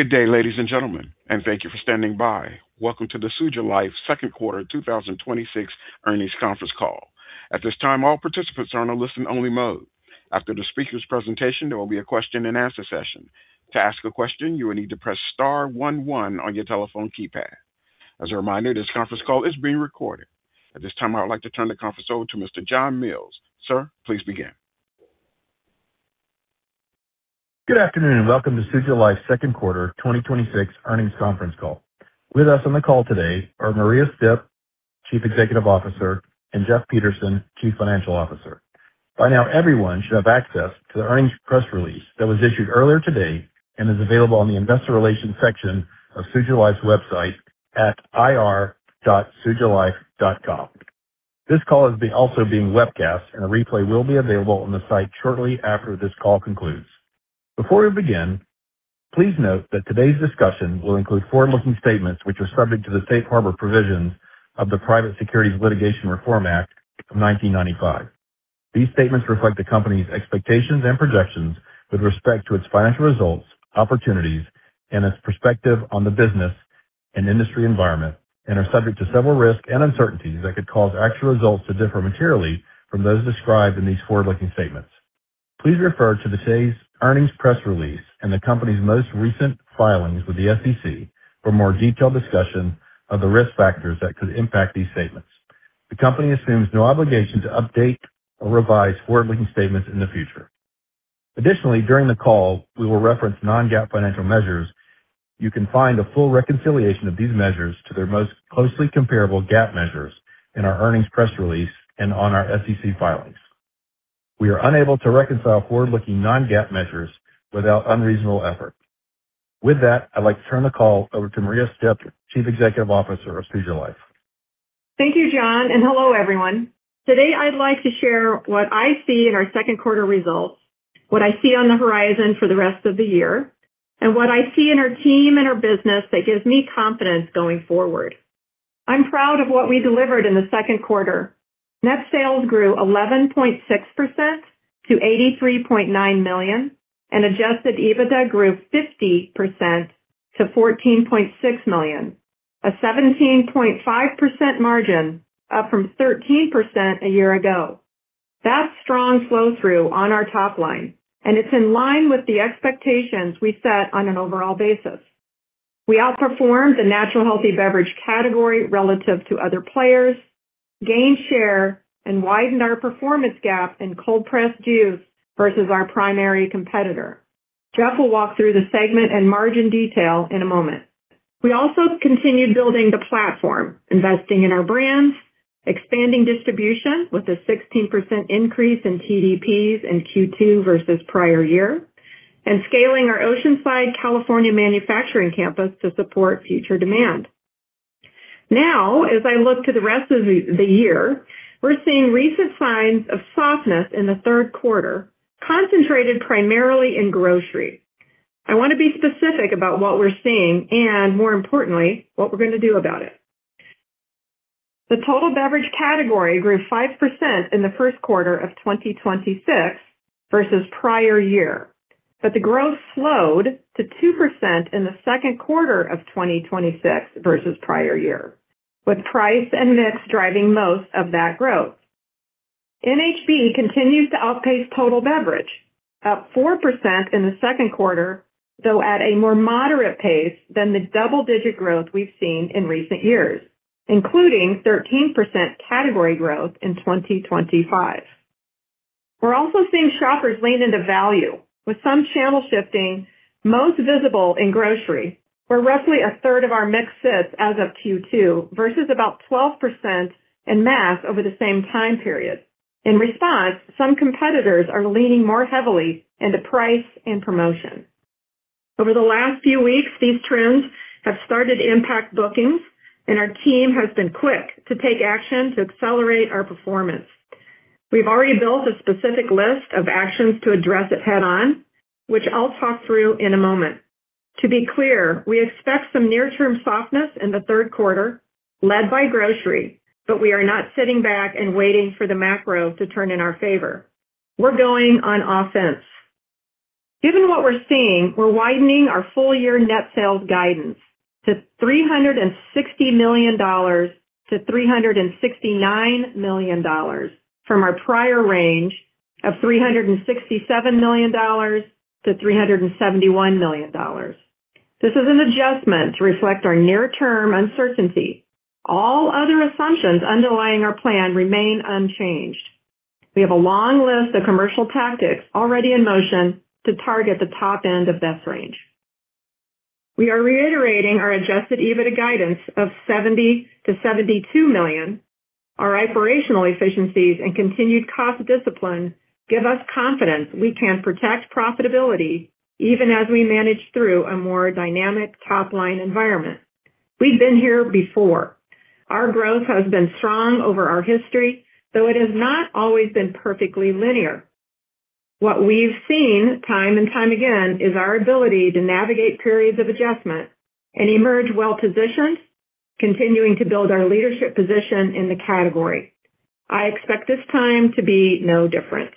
Good day, ladies and gentlemen, and thank you for standing by. Welcome to the Suja Life second quarter 2026 earnings conference call. At this time, all participants are on a listen-only mode. After the speaker's presentation, there will be a question and answer session. To ask a question, you will need to press star one one on your telephone keypad. As a reminder, this conference call is being recorded. At this time, I would like to turn the conference over to Mr. John Mills. Sir, please begin. Good afternoon and welcome to Suja Life's second quarter 2026 earnings conference call. With us on the call today are Maria Stipp, Chief Executive Officer, and Jeff Pedersen, Chief Financial Officer. By now, everyone should have access to the earnings press release that was issued earlier today and is available on the investor relations section of Suja Life's website at ir.sujalife.com. This call is also being webcast, and a replay will be available on the site shortly after this call concludes. Before we begin, please note that today's discussion will include forward-looking statements, which are subject to the safe harbor provisions of the Private Securities Litigation Reform Act of 1995. These statements reflect the company's expectations and projections with respect to its financial results, opportunities, and its perspective on the business and industry environment, and are subject to several risks and uncertainties that could cause actual results to differ materially from those described in these forward-looking statements. Please refer to today's earnings press release and the company's most recent filings with the SEC for more detailed discussion of the risk factors that could impact these statements. The company assumes no obligation to update or revise forward-looking statements in the future. Additionally, during the call, we will reference non-GAAP financial measures. You can find a full reconciliation of these measures to their most closely comparable GAAP measures in our earnings press release and on our SEC filings. We are unable to reconcile forward-looking non-GAAP measures without unreasonable effort. With that, I'd like to turn the call over to Maria Stipp, Chief Executive Officer of Suja Life. Thank you, John. Hello, everyone. Today, I'd like to share what I see in our second quarter results, what I see on the horizon for the rest of the year, and what I see in our team and our business that gives me confidence going forward. I'm proud of what we delivered in the second quarter. Net sales grew 11.6% to $83.9 million, adjusted EBITDA grew 50% to $14.6 million, a 17.5% margin up from 13% a year ago. That's strong flow-through on our top line. It's in line with the expectations we set on an overall basis. We outperformed the natural healthy beverage category relative to other players, gained share, and widened our performance gap in cold-pressed juice versus our primary competitor. Jeff will walk through the segment and margin detail in a moment. We also continued building the platform, investing in our brands, expanding distribution with a 16% increase in TDPs in Q2 versus prior year, and scaling our Oceanside, California, manufacturing campus to support future demand. As I look to the rest of the year, we're seeing recent signs of softness in the third quarter, concentrated primarily in grocery. I want to be specific about what we're seeing and, more importantly, what we're going to do about it. The total beverage category grew 5% in the first quarter of 2026 versus prior year, the growth slowed to 2% in the second quarter of 2026 versus prior year, with price and mix driving most of that growth. NHB continues to outpace total beverage, up 4% in the second quarter, though at a more moderate pace than the double-digit growth we've seen in recent years, including 13% category growth in 2025. We're also seeing shoppers lean into value with some channel shifting, most visible in grocery, where roughly a third of our mix sits as of Q2 versus about 12% in mass over the same time period. In response, some competitors are leaning more heavily into price and promotion. Over the last few weeks, these trends have started to impact bookings. Our team has been quick to take action to accelerate our performance. We've already built a specific list of actions to address it head-on, which I'll talk through in a moment. To be clear, we expect some near-term softness in the third quarter, led by grocery, we are not sitting back and waiting for the macro to turn in our favor. We're going on offense. Given what we're seeing, we're widening our full-year net sales guidance to $360 million-$369 million from our prior range of $367 million-$371 million. This is an adjustment to reflect our near-term uncertainty. All other assumptions underlying our plan remain unchanged. We have a long list of commercial tactics already in motion to target the top end of this range. We are reiterating our adjusted EBITDA guidance of $70 million-$72 million. Our operational efficiencies and continued cost discipline give us confidence we can protect profitability even as we manage through a more dynamic top-line environment. We've been here before. Our growth has been strong over our history, though it has not always been perfectly linear. What we've seen time and time again is our ability to navigate periods of adjustment, emerge well-positioned, continuing to build our leadership position in the category. I expect this time to be no different.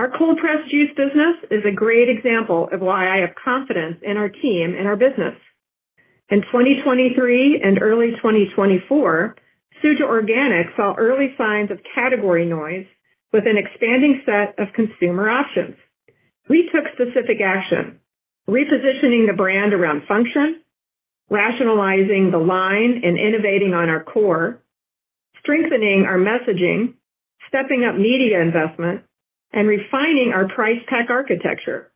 Our cold-pressed juice business is a great example of why I have confidence in our team and our business. In 2023 and early 2024, Suja Organic saw early signs of category noise with an expanding set of consumer options. We took specific action, repositioning the brand around function, rationalizing the line and innovating on our core, strengthening our messaging, stepping up media investment, and refining our price tech architecture.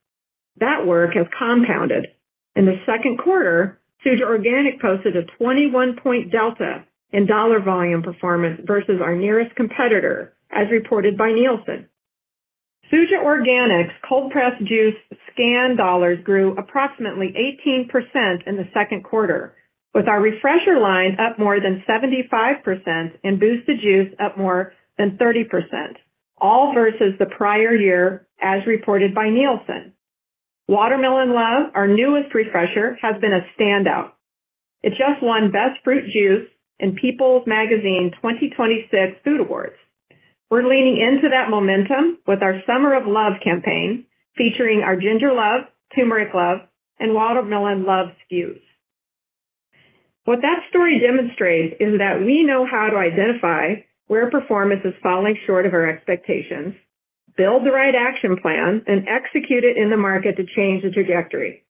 That work has compounded. In the second quarter, Suja Organic posted a 21-point delta in dollar volume performance versus our nearest competitor, as reported by Nielsen. Suja Organic's cold-pressed juice scanned dollars grew approximately 18% in the second quarter, with our refresher lineup more than 75% and boosted juice up more than 30%, all versus the prior year, as reported by Nielsen. Watermelon Love, our newest refresher, has been a standout. It just won Best Fruit Juice in People Magazine's 2026 Food Awards. We're leaning into that momentum with our Summer of Love campaign, featuring our Ginger Love, Turmeric Love, and Watermelon Love SKUs. What that story demonstrates is that we know how to identify where performance is falling short of our expectations, build the right action plan, and execute it in the market to change the trajectory.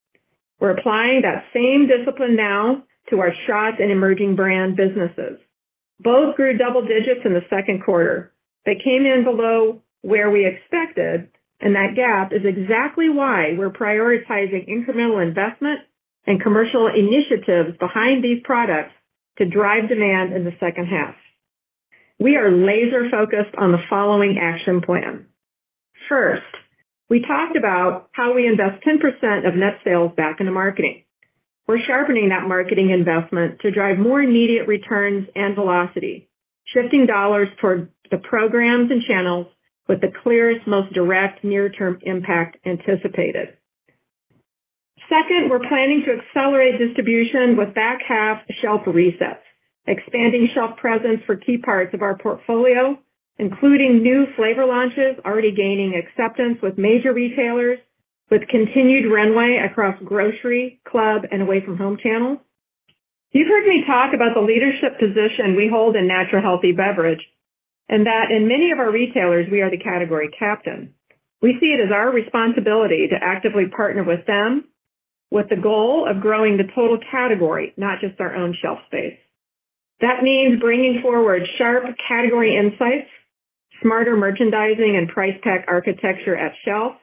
We're applying that same discipline now to our shots and Emerging Brands businesses. Both grew double digits in the second quarter. They came in below where we expected, and that gap is exactly why we're prioritizing incremental investment and commercial initiatives behind these products to drive demand in the second half. We are laser focused on the following action plan. First, we talked about how we invest 10% of net sales back into marketing. We're sharpening that marketing investment to drive more immediate returns and velocity, shifting dollars toward the programs and channels with the clearest, most direct near-term impact anticipated. Second, we're planning to accelerate distribution with back half shelf resets, expanding shelf presence for key parts of our portfolio, including new flavor launches, already gaining acceptance with major retailers with continued runway across grocery, club, and away from home channels. You've heard me talk about the leadership position we hold in natural healthy beverage, and that in many of our retailers, we are the category captain. We see it as our responsibility to actively partner with them with the goal of growing the total category, not just our own shelf space. That means bringing forward sharp category insights, smarter merchandising and price tech architecture at shelf,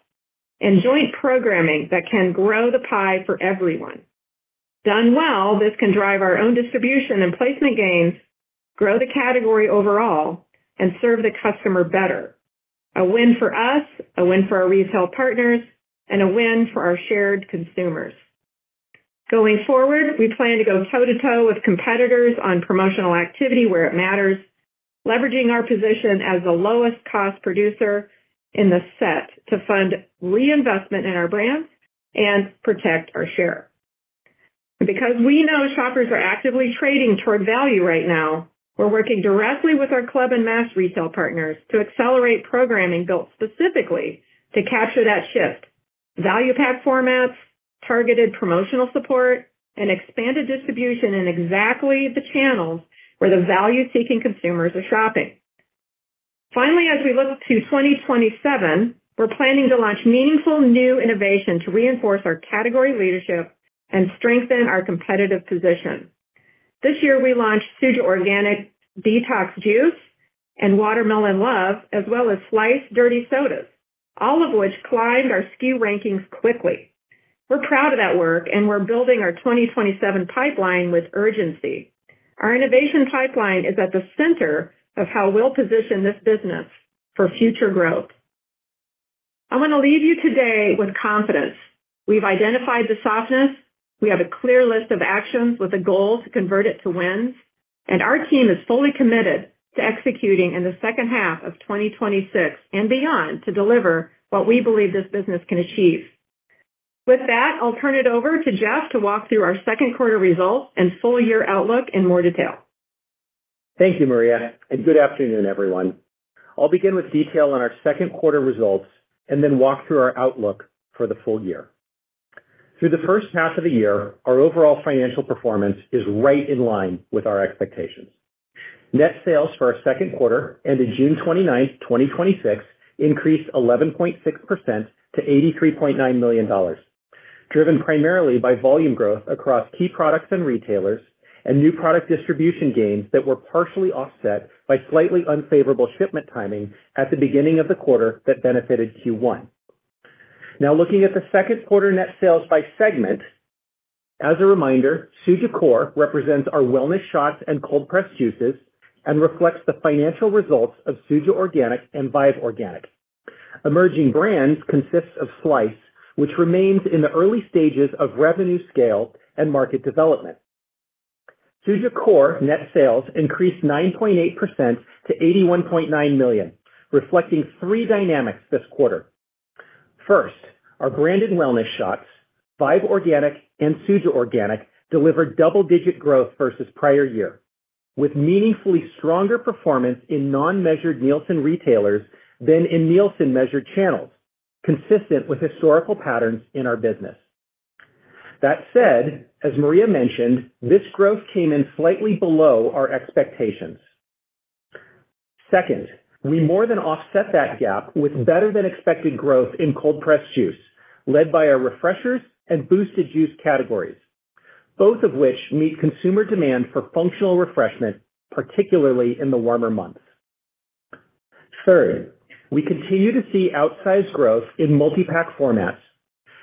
and joint programming that can grow the pie for everyone. Done well, this can drive our own distribution and placement gains, grow the category overall, and serve the customer better. A win for us, a win for our retail partners, and a win for our shared consumers. Going forward, we plan to go toe-to-toe with competitors on promotional activity where it matters, leveraging our position as the lowest cost producer in the set to fund reinvestment in our brands and protect our share. Because we know shoppers are actively trading toward value right now, we're working directly with our club and mass retail partners to accelerate programming built specifically to capture that shift. Value pack formats, targeted promotional support, and expanded distribution in exactly the channels where the value-seeking consumers are shopping. Finally, as we look to 2027, we're planning to launch meaningful new innovation to reinforce our category leadership and strengthen our competitive position. This year, we launched Suja Organic Detox Juice and Watermelon Love, as well as Slice Dirty Soda, all of which climbed our SKU rankings quickly. We're proud of that work and we're building our 2027 pipeline with urgency. Our innovation pipeline is at the center of how we'll position this business for future growth. I want to leave you today with confidence. We've identified the softness. We have a clear list of actions with a goal to convert it to wins, and our team is fully committed to executing in the second half of 2026 and beyond to deliver what we believe this business can achieve. With that, I'll turn it over to Jeff to walk through our second quarter results and full year outlook in more detail. Thank you, Maria, good afternoon, everyone. I'll begin with detail on our second quarter results and then walk through our outlook for the full year. Through the first half of the year, our overall financial performance is right in line with our expectations. Net sales for our second quarter ended June 29th, 2026, increased 11.6% to $83.9 million, driven primarily by volume growth across key products and retailers and new product distribution gains that were partially offset by slightly unfavorable shipment timing at the beginning of the quarter that benefited Q1. Now, looking at the second quarter net sales by segment. As a reminder, Suja Core represents our wellness shots and cold-pressed juices and reflects the financial results of Suja Organic and Vive Organic. Emerging Brands consists of Slice, which remains in the early stages of revenue scale and market development. Suja Core net sales increased 9.8% to $81.9 million, reflecting three dynamics this quarter. First, our branded wellness shots, Vive Organic and Suja Organic, delivered double-digit growth versus prior year, with meaningfully stronger performance in non-measured Nielsen retailers than in Nielsen-measured channels, consistent with historical patterns in our business. That said, as Maria mentioned, this growth came in slightly below our expectations. Second, we more than offset that gap with better than expected growth in cold-pressed juice, led by our refreshers and boosted juice categories, both of which meet consumer demand for functional refreshment, particularly in the warmer months. Third, we continue to see outsized growth in multi-pack formats,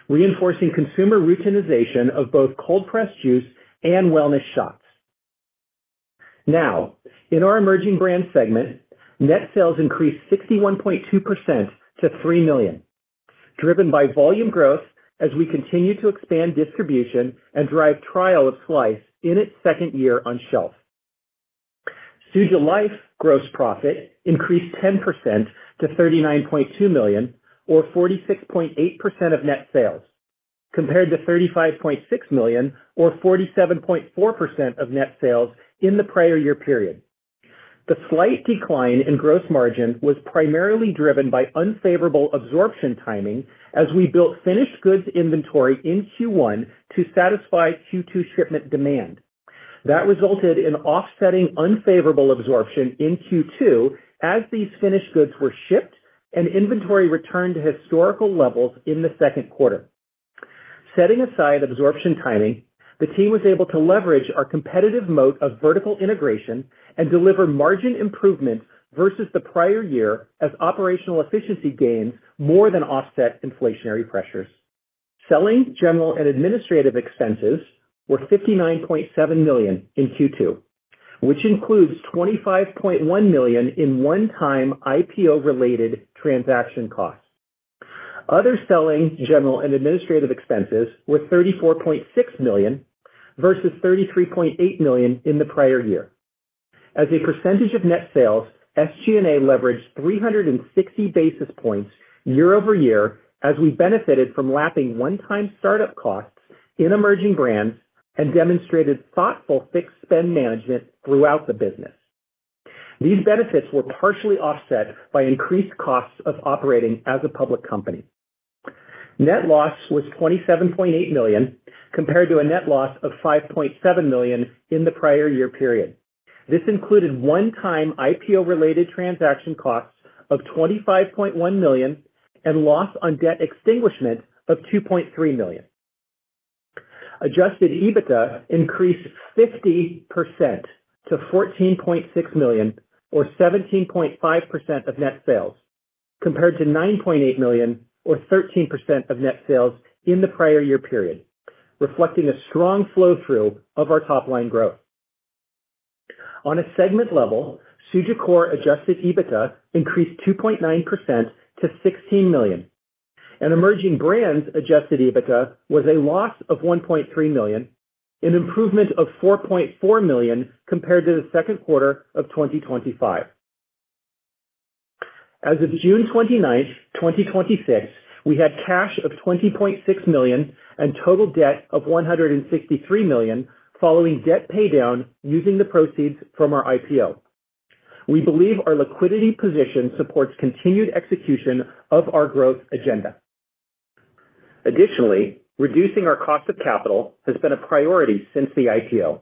reinforcing consumer routinization of both cold-pressed juice and wellness shots. Now, in our Emerging Brands segment, net sales increased 61.2% to $3 million, driven by volume growth as we continue to expand distribution and drive trial of Slice in its second year on shelf. Suja Life's gross profit increased 10% to $39.2 million, or 46.8% of net sales, compared to $35.6 million or 47.4% of net sales in the prior year period. The slight decline in gross margin was primarily driven by unfavorable absorption timing as we built finished goods inventory in Q1 to satisfy Q2 shipment demand. That resulted in offsetting unfavorable absorption in Q2 as these finished goods were shipped and inventory returned to historical levels in the second quarter. Setting aside absorption timing, the team was able to leverage our competitive moat of vertical integration and deliver margin improvements versus the prior year as operational efficiency gains more than offset inflationary pressures. Selling, general, and administrative expenses were $59.7 million in Q2, which includes $25.1 million in one-time IPO related transaction costs. Other selling, general, and administrative expenses were $34.6 million versus $33.8 million in the prior year. As a percentage of net sales, SG&A leveraged 360 basis points year-over-year as we benefited from lapping one-time start-up costs in Emerging Brands and demonstrated thoughtful fixed spend management throughout the business. These benefits were partially offset by increased costs of operating as a public company. Net loss was $27.8 million, compared to a net loss of $5.7 million in the prior year period. This included one-time IPO related transaction costs of $25.1 million and loss on debt extinguishment of $2.3 million. Adjusted EBITDA increased 50% to $14.6 million, or 17.5% of net sales, compared to $9.8 million or 13% of net sales in the prior year period, reflecting a strong flow through of our top-line growth. On a segment level, Suja Core adjusted EBITDA increased 2.9% to $16 million. Emerging Brands adjusted EBITDA was a loss of $1.3 million, an improvement of $4.4 million compared to the second quarter of 2025. As of June 29th, 2026, we had cash of $20.6 million and total debt of $163 million, following debt paydown using the proceeds from our IPO. We believe our liquidity position supports continued execution of our growth agenda. Additionally, reducing our cost of capital has been a priority since the IPO,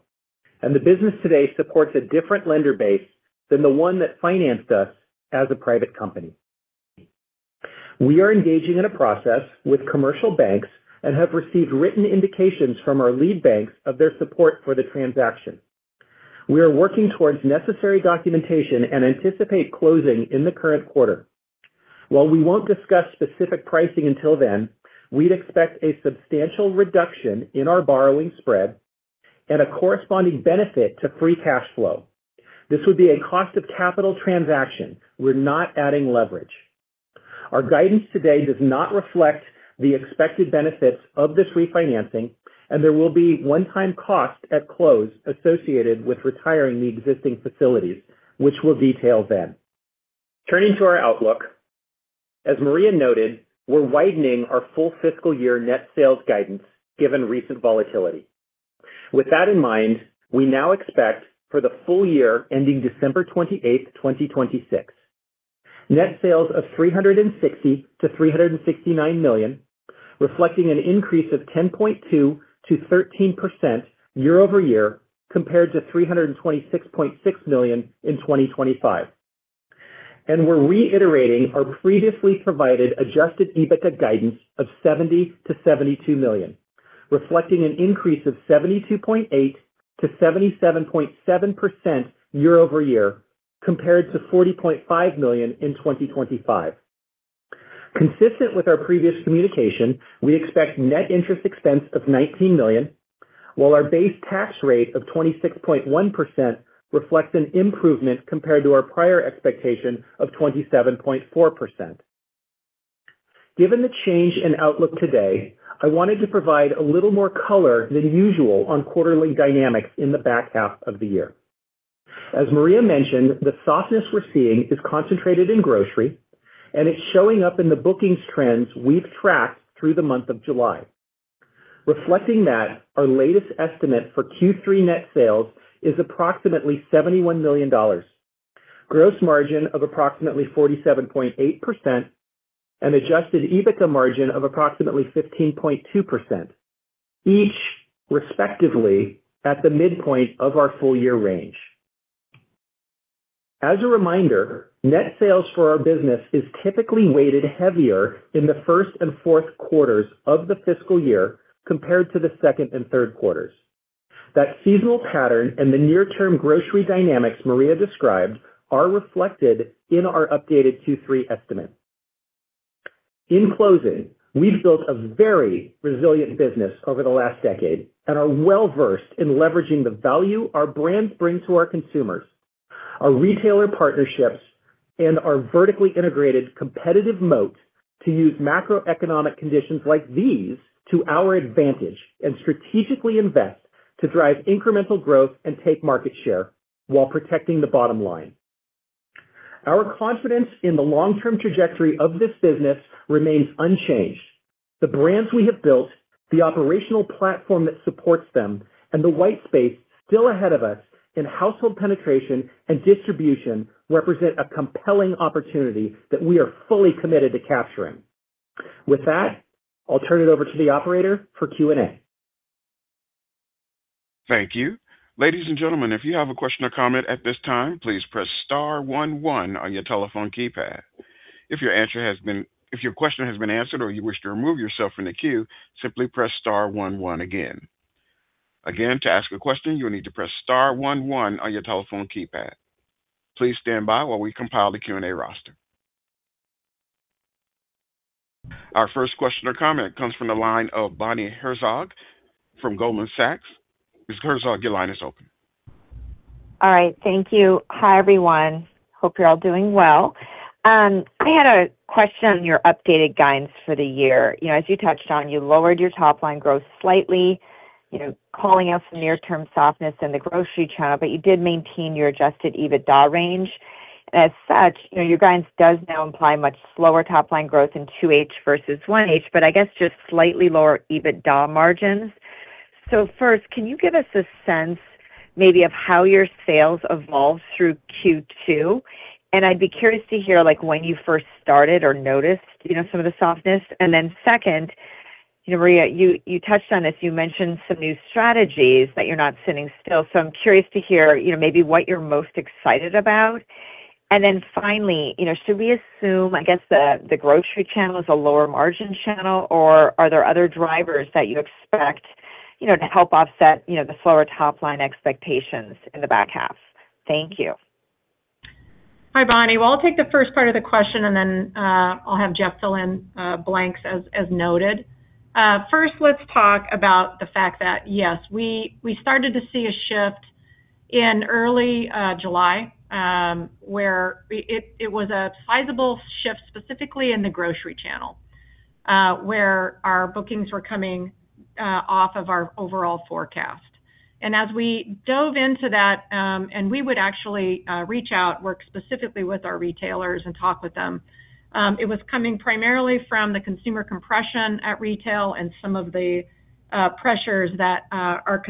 and the business today supports a different lender base than the one that financed us as a private company. We are engaging in a process with commercial banks and have received written indications from our lead banks of their support for the transaction. We are working towards necessary documentation and anticipate closing in the current quarter. While we won't discuss specific pricing until then, we'd expect a substantial reduction in our borrowing spread and a corresponding benefit to free cash flow. This would be a cost of capital transaction. We're not adding leverage. Our guidance today does not reflect the expected benefits of this refinancing, and there will be one-time costs at close associated with retiring the existing facilities, which we'll detail then. Turning to our outlook, as Maria noted, we're widening our full fiscal year net sales guidance given recent volatility. With that in mind, we now expect for the full year ending December 28th, 2026, net sales of $360 million-$369 million, reflecting an increase of 10.2%-13% year-over-year compared to $326.6 million in 2025. We're reiterating our previously provided adjusted EBITDA guidance of $70 million-$72 million, reflecting an increase of 72.8%-77.7% year-over-year compared to $40.5 million in 2025. Consistent with our previous communication, we expect net interest expense of $19 million, while our base tax rate of 26.1% reflects an improvement compared to our prior expectation of 27.4%. Given the change in outlook today, I wanted to provide a little more color than usual on quarterly dynamics in the back half of the year. As Maria mentioned, the softness we're seeing is concentrated in grocery, and it's showing up in the bookings trends we've tracked through the month of July. Reflecting that, our latest estimate for Q3 net sales is approximately $71 million, gross margin of approximately 47.8%, and adjusted EBITDA margin of approximately 15.2%, each respectively at the midpoint of our full-year range. As a reminder, net sales for our business is typically weighted heavier in the first and fourth quarters of the fiscal year compared to the second and third quarters. That seasonal pattern and the near-term grocery dynamics Maria described are reflected in our updated Q3 estimate. In closing, we've built a very resilient business over the last decade and are well-versed in leveraging the value our brands bring to our consumers, our retailer partnerships, and our vertically integrated competitive moat to use macroeconomic conditions like these to our advantage and strategically invest to drive incremental growth and take market share while protecting the bottom line. Our confidence in the long-term trajectory of this business remains unchanged. The brands we have built, the operational platform that supports them, and the white space still ahead of us in household penetration and distribution represent a compelling opportunity that we are fully committed to capturing. With that, I'll turn it over to the operator for Q&A. Thank you. Ladies and gentlemen, if you have a question or comment at this time, please press star one one on your telephone keypad. If your question has been answered or you wish to remove yourself from the queue, simply press star one one again. Again, to ask a question, you'll need to press star one one on your telephone keypad. Please stand by while we compile the Q&A roster. Our first question or comment comes from the line of Bonnie Herzog from Goldman Sachs. Ms. Herzog, your line is open. All right. Thank you. Hi, everyone. Hope you're all doing well. I had a question on your updated guidance for the year. As you touched on, you lowered your top-line growth slightly, calling out some near-term softness in the grocery channel, but you did maintain your adjusted EBITDA range. As such, your guidance does now imply much slower top-line growth in 2H versus 1H, but I guess just slightly lower EBITDA margins. First, can you give us a sense maybe of how your sales evolved through Q2? I'd be curious to hear when you first started or noticed some of the softness. Second, Maria, you touched on this, you mentioned some new strategies that you're not sitting still. I'm curious to hear maybe what you're most excited about. Finally, should we assume, I guess, the grocery channel is a lower margin channel, or are there other drivers that you expect to help offset the slower top-line expectations in the back half? Thank you. Hi, Bonnie. I'll take the first part of the question, I'll have Jeff fill in blanks as noted. Let's talk about the fact that, yes, we started to see a shift in early July, where it was a sizable shift specifically in the grocery channel, where our bookings were coming off of our overall forecast. As we dove into that, and we would actually reach out, work specifically with our retailers and talk with them. It was coming primarily from the consumer compression at retail and some of the pressures that our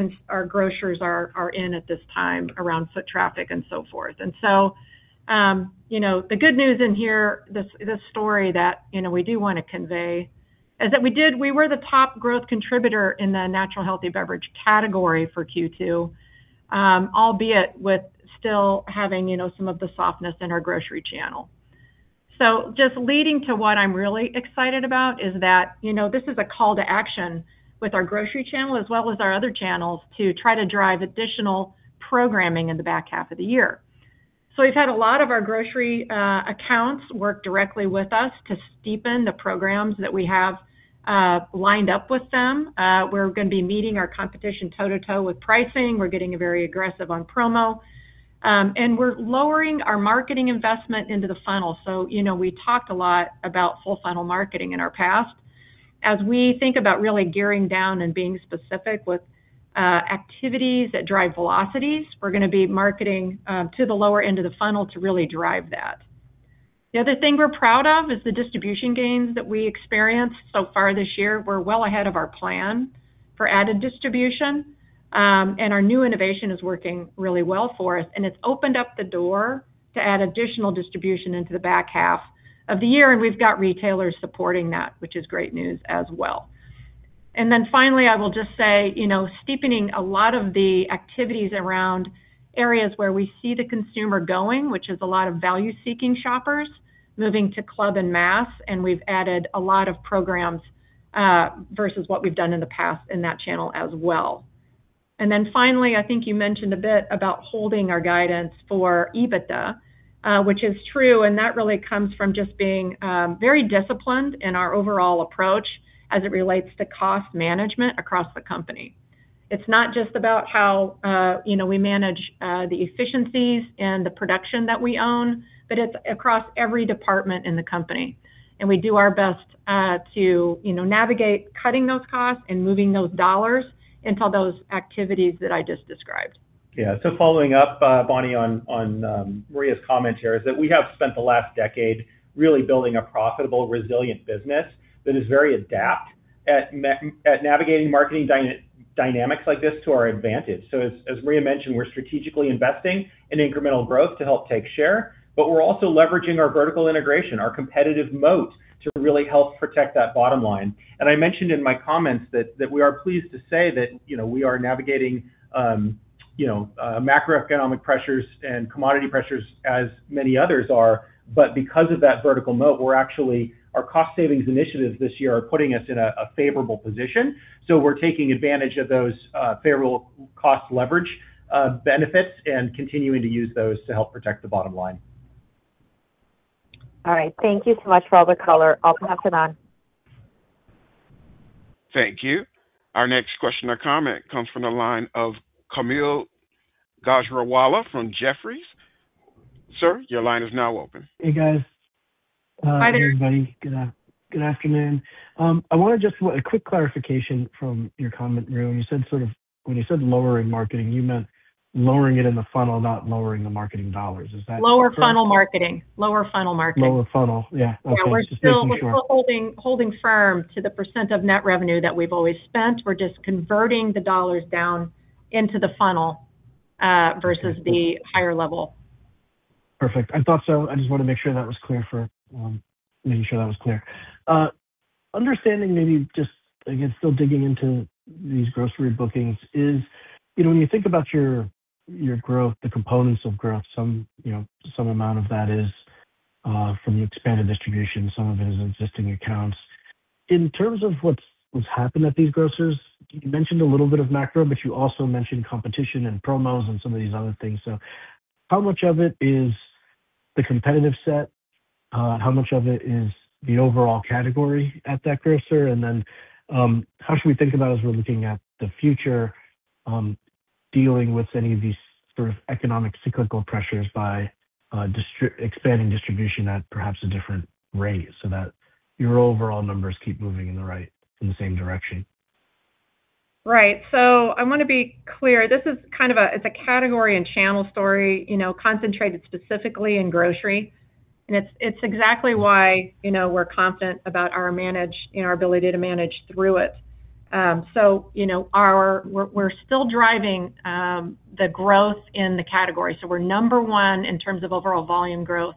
grocers are in at this time around foot traffic and so forth. The good news in here, this story that we do want to convey is that we were the top growth contributor in the natural healthy beverage category for Q2, albeit with still having some of the softness in our grocery channel. Just leading to what I'm really excited about is that this is a call to action with our grocery channel as well as our other channels to try to drive additional programming in the back half of the year. We've had a lot of our grocery accounts work directly with us to steepen the programs that we have lined up with them. We're going to be meeting our competition toe to toe with pricing. We're getting very aggressive on promo. We're lowering our marketing investment into the funnel. We talked a lot about full funnel marketing in our past. As we think about really gearing down and being specific with activities that drive velocities, we're going to be marketing to the lower end of the funnel to really drive that. The other thing we're proud of is the distribution gains that we experienced so far this year. We're well ahead of our plan for added distribution. Our new innovation is working really well for us, and it's opened up the door to add additional distribution into the back half of the year, and we've got retailers supporting that, which is great news as well. Finally, I will just say, steepening a lot of the activities around areas where we see the consumer going, which is a lot of value-seeking shoppers moving to club and mass, and we've added a lot of programs versus what we've done in the past in that channel as well. Finally, I think you mentioned a bit about holding our guidance for EBITDA, which is true, and that really comes from just being very disciplined in our overall approach as it relates to cost management across the company. It's not just about how we manage the efficiencies and the production that we own, but it's across every department in the company. We do our best to navigate cutting those costs and moving those dollars for those activities that I just described. Yeah. Following up, Bonnie, on Maria's comment here, is that we have spent the last decade really building a profitable, resilient business that is very adept at navigating marketing dynamics like this to our advantage. As Maria mentioned, we're strategically investing in incremental growth to help take share, but we're also leveraging our vertical integration, our competitive moat, to really help protect that bottom line. I mentioned in my comments that we are pleased to say that we are navigating macroeconomic pressures and commodity pressures as many others are. Because of that vertical moat, our cost savings initiatives this year are putting us in a favorable position. We're taking advantage of those favorable cost leverage benefits and continuing to use those to help protect the bottom line. All right. Thank you so much for all the color. I'll pass it on. Thank you. Our next question or comment comes from the line of Kaumil Gajrawala from Jefferies. Sir, your line is now open. Hey, guys. Hi there. Hey, everybody. Good afternoon. I wanted just a quick clarification from your comment, Maria. When you said lowering marketing, you meant lowering it in the funnel, not lowering the marketing dollars. Is that correct? Lower funnel marketing. Lower funnel. Yeah. Okay. Just making sure. We're still holding firm to the percent of net revenue that we've always spent. We're just converting the dollars down into the funnel, versus the higher level. Perfect. I thought so. I just want to make sure that was clear. Understanding maybe just, again, still digging into these grocery bookings is, when you think about your growth, the components of growth, some amount of that is from the expanded distribution, some of it is existing accounts. In terms of what's happened at these grocers, you mentioned a little bit of macro, but you also mentioned competition and promos and some of these other things. How much of it is the competitive set? How much of it is the overall category at that grocer? How should we think about as we're looking at the future, dealing with any of these sort of economic cyclical pressures by expanding distribution at perhaps a different rate so that your overall numbers keep moving in the same direction? Right. I want to be clear. This is kind of a category and channel story, concentrated specifically in grocery. It's exactly why we're confident about our ability to manage through it. We're still driving the growth in the category. We're number 1 in terms of overall volume growth,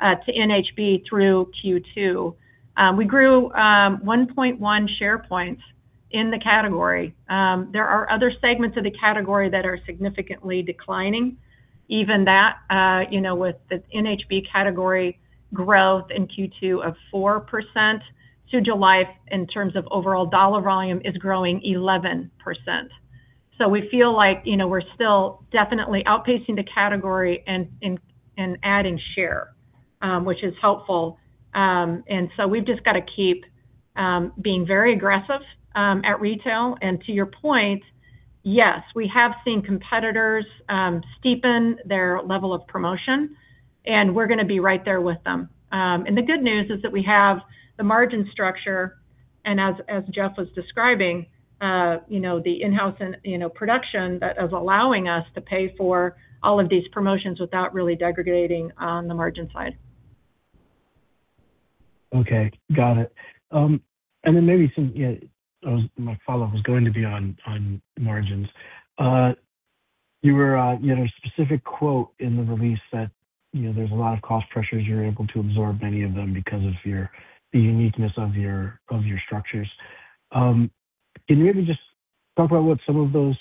to NHB through Q2. We grew 1.1 share points in the category. There are other segments of the category that are significantly declining. Even that, with the NHB category growth in Q2 of 4%, Suja Life, in terms of overall dollar volume, is growing 11%. We feel like we're still definitely outpacing the category and adding share, which is helpful. We've just got to keep being very aggressive at retail. To your point, yes, we have seen competitors steepen their level of promotion, and we're going to be right there with them. The good news is that we have the margin structure, as Jeff was describing, the in-house production that is allowing us to pay for all of these promotions without really degrading on the margin side. Okay. Got it. Maybe some, yeah, my follow-up was going to be on margins. You had a specific quote in the release that there's a lot of cost pressures. You are able to absorb many of them because of the uniqueness of your structures. Can you maybe just talk about what some of those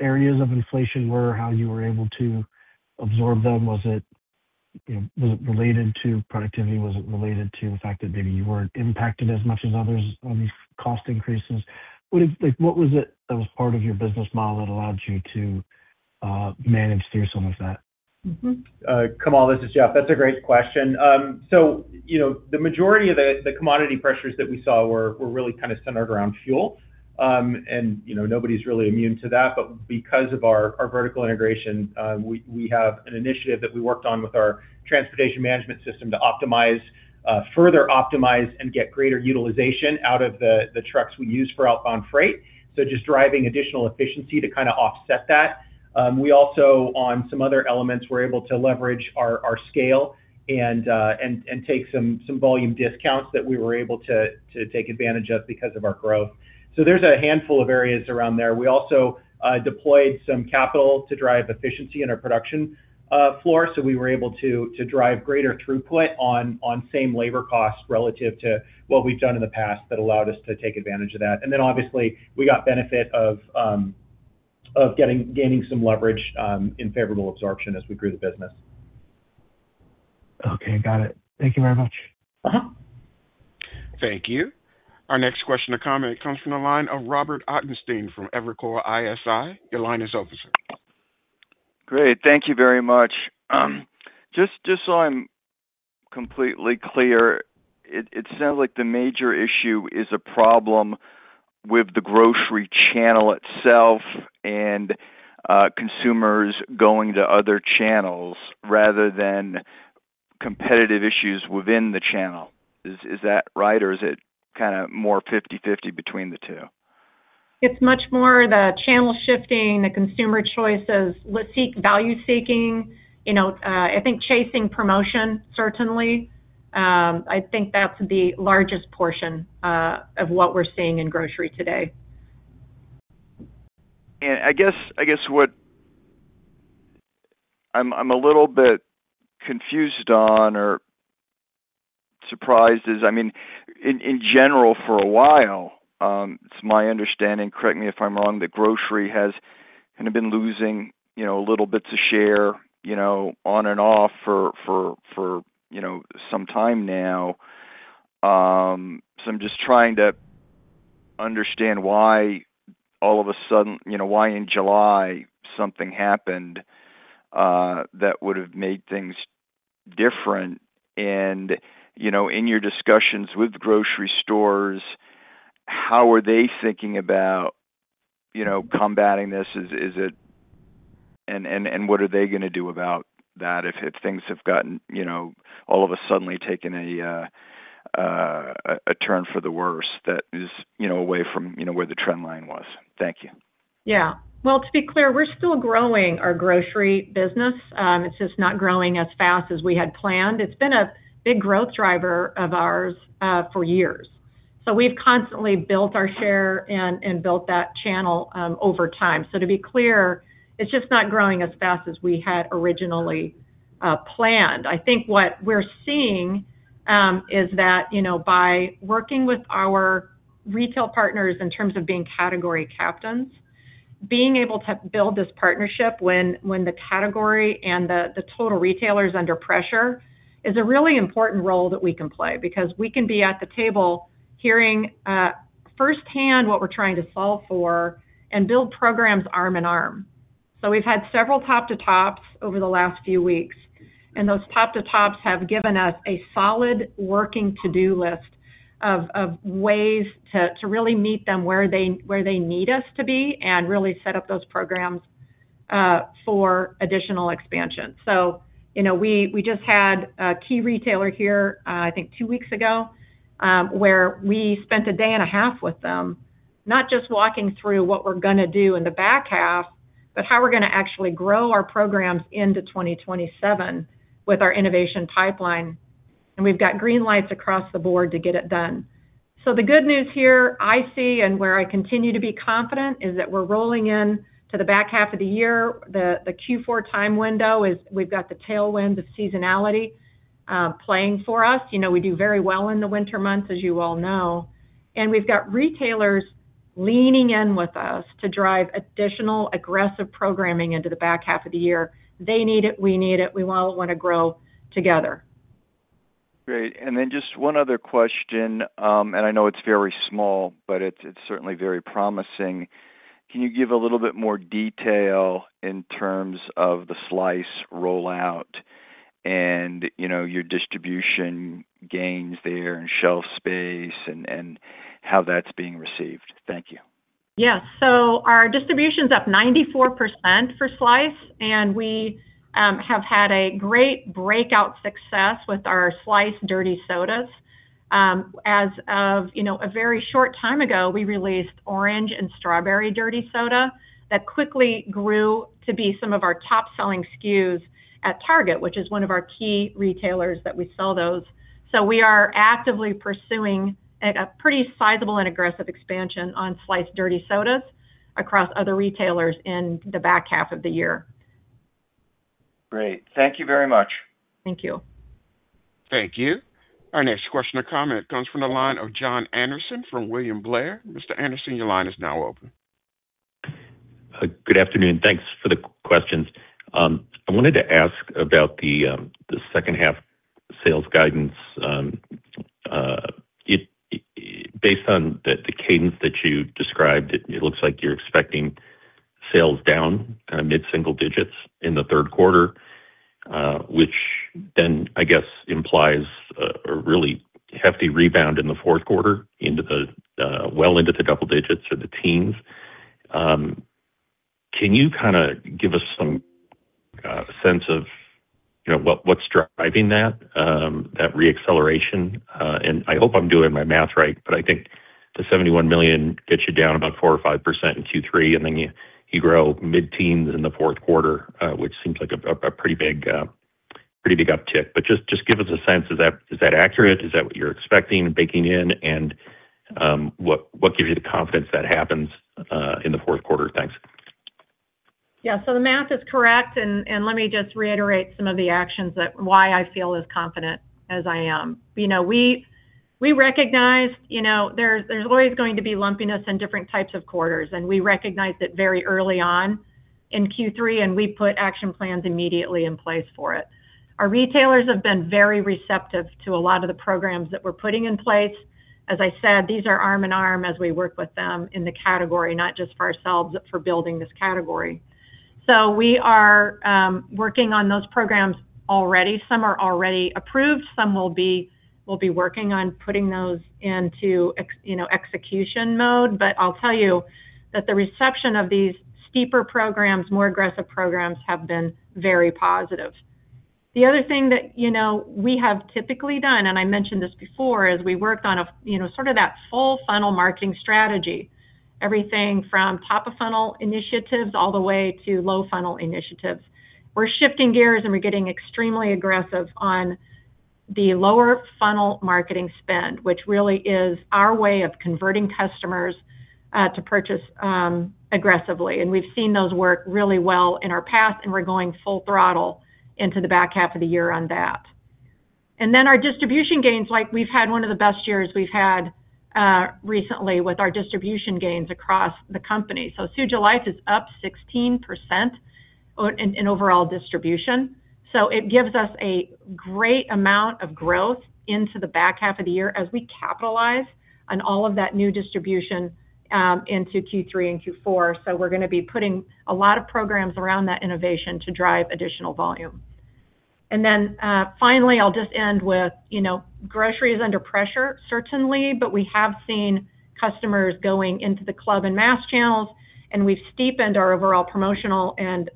areas of inflation were, how you were able to absorb them? Was it related to productivity? Was it related to the fact that maybe you weren't impacted as much as others on these cost increases? What was it that was part of your business model that allowed you to manage through some of that? Kaumil, this is Jeff. That's a great question. The majority of the commodity pressures that we saw were really kind of centered around fuel. Nobody's really immune to that. Because of our vertical integration, we have an initiative that we worked on with our transportation management system to further optimize and get greater utilization out of the trucks we use for outbound freight. Just driving additional efficiency to kind of offset that. We also, on some other elements, were able to leverage our scale and take some volume discounts that we were able to take advantage of because of our growth. There's a handful of areas around there. We also deployed some capital to drive efficiency in our production floor. We were able to drive greater throughput on same labor cost relative to what we've done in the past that allowed us to take advantage of that. Obviously, we got benefit of gaining some leverage in favorable absorption as we grew the business. Okay. Got it. Thank you very much. Thank you. Our next question or comment comes from the line of Robert Ottenstein from Evercore ISI. Your line is open, sir. Great. Thank you very much. Just so I'm completely clear, it sounds like the major issue is a problem with the grocery channel itself and consumers going to other channels rather than competitive issues within the channel. Is that right, or is it more 50/50 between the two? It's much more the channel shifting, the consumer choices, value seeking. I think chasing promotion, certainly. I think that's the largest portion of what we're seeing in grocery today. I guess what I'm a little bit confused on or surprised is, in general, for a while, it's my understanding, correct me if I'm wrong, that grocery has been losing little bits of share on and off for some time now. I'm just trying to understand why, all of a sudden, why in July something happened that would've made things different. In your discussions with grocery stores, how are they thinking about combating this? What are they going to do about that if things have all of a sudden taken a turn for the worse that is away from where the trend line was? Thank you. Well, to be clear, we're still growing our grocery business. It's just not growing as fast as we had planned. It's been a big growth driver of ours for years. We've constantly built our share and built that channel over time. To be clear, it's just not growing as fast as we had originally planned. I think what we're seeing is that by working with our retail partners in terms of being category captains, being able to build this partnership when the category and the total retailer is under pressure is a really important role that we can play because we can be at the table hearing firsthand what we're trying to solve for and build programs arm in arm. We've had several top to tops over the last few weeks, those top to tops have given us a solid working to-do list of ways to really meet them where they need us to be and really set up those programs for additional expansion. We just had a key retailer here, I think two weeks ago, where we spent a day and a half with them, not just walking through what we're going to do in the back half, but how we're going to actually grow our programs into 2027 with our innovation pipeline. We've got green lights across the board to get it done. The good news here I see, and where I continue to be confident, is that we're rolling into the back half of the year. The Q4 time window is we've got the tailwind of seasonality playing for us. We do very well in the winter months, as you all know, we've got retailers leaning in with us to drive additional aggressive programming into the back half of the year. They need it, we need it. We all want to grow together. Great. Just one other question, I know it's very small, but it's certainly very promising. Can you give a little bit more detail in terms of the Slice rollout and your distribution gains there, and shelf space, and how that's being received? Thank you. Our distribution's up 94% for Slice, and we have had a great breakout success with our Slice Dirty Soda. As of a very short time ago, we released Orange and Strawberry Dirty Soda that quickly grew to be some of our top-selling SKUs at Target, which is one of our key retailers that we sell those. We are actively pursuing a pretty sizable and aggressive expansion on Slice Dirty Soda across other retailers in the back half of the year. Great. Thank you very much. Thank you. Thank you. Our next question or comment comes from the line of John Andersen from William Blair. Mr. Anderson, your line is now open. Good afternoon. Thanks for the questions. I wanted to ask about the second half sales guidance. Based on the cadence that you described, it looks like you're expecting sales down mid-single digits in the third quarter, which, I guess, implies a really hefty rebound in the fourth quarter well into the double digits or the teens. Can you give us some sense of what's driving that re-acceleration? I hope I'm doing my math right, but I think the $71 million gets you down about 4% or 5% in Q3, and you grow mid-teens in the fourth quarter, which seems like a pretty big uptick. Just give us a sense, is that accurate? Is that what you're expecting, baking in, and what gives you the confidence that happens in the fourth quarter? Thanks. Yeah, the math is correct, and let me just reiterate some of the actions that why I feel as confident as I am. We recognized there's always going to be lumpiness in different types of quarters, and we recognized it very early on in Q3, and we put action plans immediately in place for it. Our retailers have been very receptive to a lot of the programs that we're putting in place. As I said, these are arm in arm as we work with them in the category, not just for ourselves, but for building this category. We are working on those programs already. Some are already approved, some will be. We'll be working on putting those into execution mode. I'll tell you that the reception of these steeper programs, more aggressive programs, have been very positive. The other thing that we have typically done, I mentioned this before, is we worked on sort of that full funnel marketing strategy, everything from top of funnel initiatives all the way to low funnel initiatives. We're shifting gears, and we're getting extremely aggressive on the lower funnel marketing spend, which really is our way of converting customers to purchase aggressively. We've seen those work really well in our past, and we're going full throttle into the back half of the year on that. Our distribution gains, we've had one of the best years we've had recently with our distribution gains across the company. Suja Life is up 16% in overall distribution. It gives us a great amount of growth into the back half of the year as we capitalize on all of that new distribution into Q3 and Q4. We're going to be putting a lot of programs around that innovation to drive additional volume. Finally, I'll just end with grocery is under pressure, certainly, but we have seen customers going into the club and mass channels, and we've steepened our overall promotional and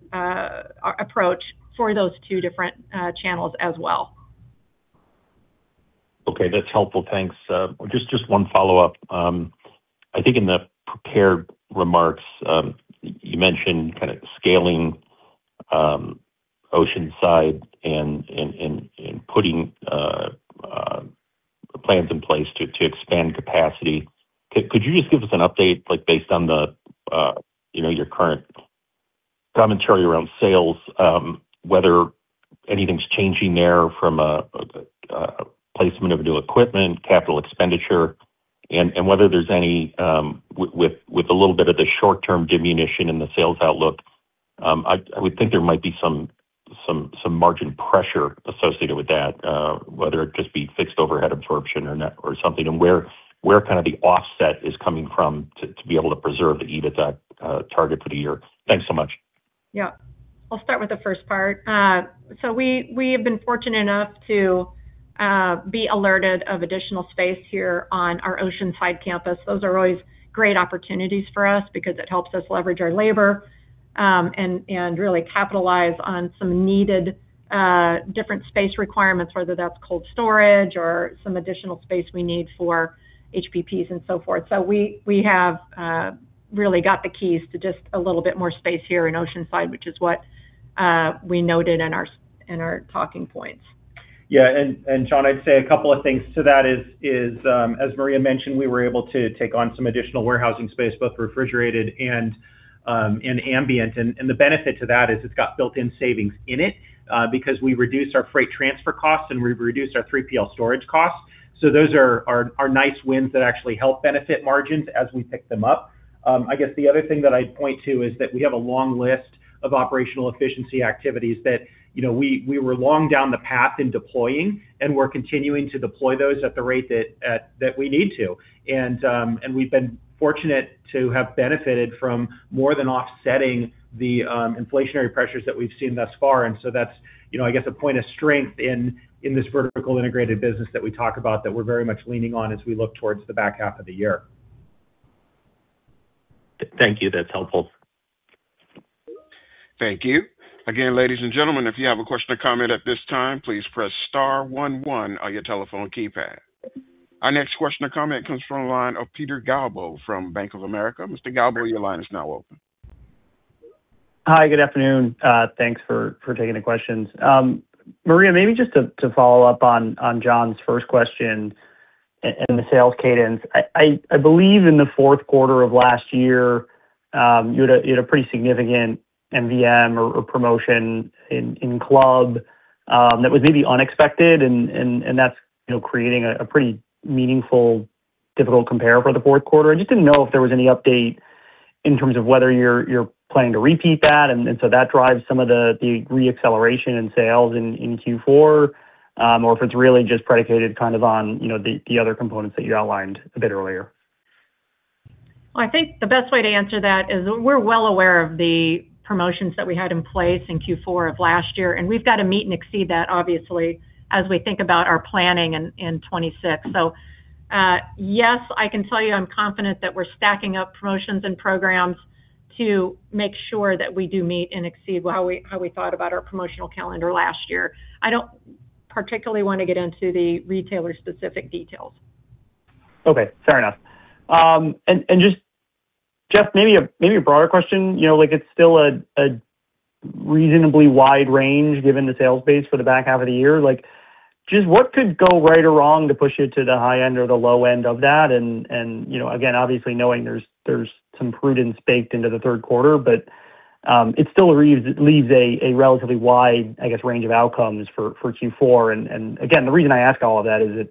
approach for those two different channels as well. Okay. That's helpful. Thanks. Just one follow-up. I think in the prepared remarks, you mentioned kind of scaling Oceanside and putting plans in place to expand capacity. Could you just give us an update, based on your current commentary around sales, whether anything's changing there from a placement of new equipment, capital expenditure, and whether there's any, with a little bit of the short-term diminution in the sales outlook, I would think there might be some margin pressure associated with that, whether it just be fixed overhead absorption or something, and where kind of the offset is coming from to be able to preserve the EBITDA target for the year. Thanks so much. Yeah. I'll start with the first part. We have been fortunate enough to be alerted of additional space here on our Oceanside campus. Those are always great opportunities for us because it helps us leverage our labor, and really capitalize on some needed different space requirements, whether that's cold storage or some additional space we need for HPPs and so forth. We have really got the keys to just a little bit more space here in Oceanside, which is what we noted in our talking points. Yeah. John, I'd say a couple of things to that is, as Maria mentioned, we were able to take on some additional warehousing space, both refrigerated and ambient. The benefit to that is it's got built-in savings in it, because we reduced our freight transfer costs, and we've reduced our 3PL storage costs. Those are nice wins that actually help benefit margins as we pick them up. I guess the other thing that I'd point to is that we have a long list of operational efficiency activities that we were long down the path in deploying, and we're continuing to deploy those at the rate that we need to. We've been fortunate to have benefited from more than offsetting the inflationary pressures that we've seen thus far. That's, I guess, a point of strength in this vertically integrated business that we talk about that we're very much leaning on as we look towards the back half of the year. Thank you. That's helpful. Thank you. Again, ladies and gentlemen, if you have a question or comment at this time, please press star 11 on your telephone keypad. Our next question or comment comes from the line of Peter Galbo from Bank of America. Mr. Galbo, your line is now open. Hi. Good afternoon. Thanks for taking the questions. Maria, maybe just to follow up on John's first question in the sales cadence. I believe in the fourth quarter of last year, you had a pretty significant MVM or promotion in club, that was maybe unexpected, and that's creating a pretty meaningful, difficult compare for the fourth quarter. I just didn't know if there was any update in terms of whether you're planning to repeat that, and so that drives some of the re-acceleration in sales in Q4, or if it's really just predicated kind of on the other components that you outlined a bit earlier. I think the best way to answer that is we're well aware of the promotions that we had in place in Q4 of last year. We've got to meet and exceed that obviously, as we think about our planning in 2026. Yes, I can tell you I'm confident that we're stacking up promotions and programs to make sure that we do meet and exceed how we thought about our promotional calendar last year. I don't particularly want to get into the retailer-specific details. Okay. Fair enough. Just, Jeff, maybe a broader question. It's still a reasonably wide range given the sales base for the back half of the year. Just what could go right or wrong to push it to the high end or the low end of that? Again, obviously knowing there's some prudence baked into the third quarter, but it still leaves a relatively wide, I guess, range of outcomes for Q4. Again, the reason I ask all of that is that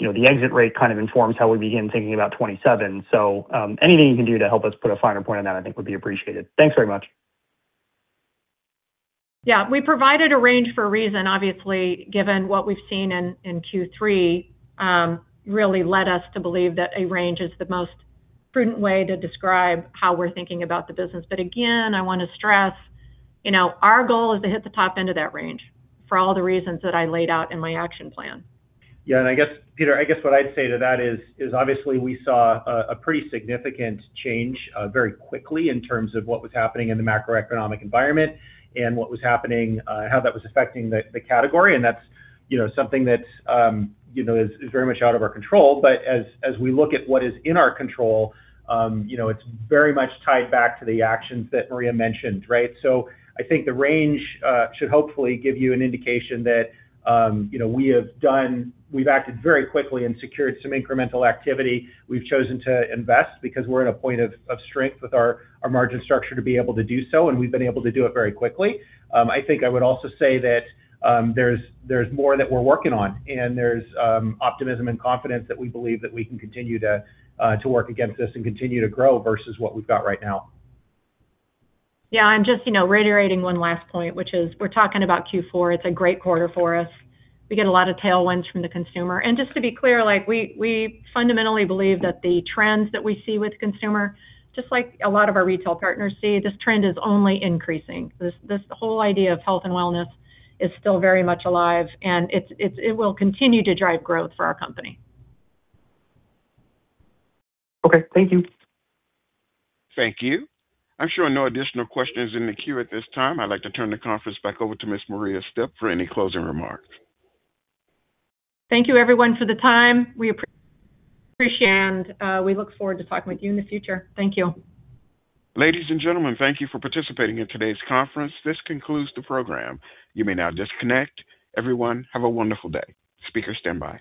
the exit rate kind of informs how we begin thinking about 2027. Anything you can do to help us put a finer point on that, I think would be appreciated. Thanks very much. Yeah. We provided a range for a reason, obviously, given what we've seen in Q3, really led us to believe that a range is the most prudent way to describe how we're thinking about the business. Again, I want to stress, our goal is to hit the top end of that range for all the reasons that I laid out in my action plan. Yeah, I guess, Peter, I guess what I'd say to that is obviously we saw a pretty significant change very quickly in terms of what was happening in the macroeconomic environment and what was happening, how that was affecting the category, and that's something that is very much out of our control. As we look at what is in our control, it's very much tied back to the actions that Maria mentioned, right? I think the range should hopefully give you an indication that we've acted very quickly and secured some incremental activity. We've chosen to invest because we're at a point of strength with our margin structure to be able to do so, and we've been able to do it very quickly. I think I would also say that there's more that we're working on, and there's optimism and confidence that we believe that we can continue to work against this and continue to grow versus what we've got right now. Yeah, I'm just reiterating one last point, which is we're talking about Q4. It's a great quarter for us. We get a lot of tailwinds from the consumer. Just to be clear, we fundamentally believe that the trends that we see with consumer, just like a lot of our retail partners see, this trend is only increasing. This whole idea of health and wellness is still very much alive, and it will continue to drive growth for our company. Okay. Thank you. Thank you. I'm showing no additional questions in the queue at this time. I'd like to turn the conference back over to Ms. Maria Stipp for any closing remarks. Thank you, everyone, for the time. We appreciate it, and we look forward to talking with you in the future. Thank you. Ladies and gentlemen, thank you for participating in today's conference. This concludes the program. You may now disconnect. Everyone, have a wonderful day. Speakers standby.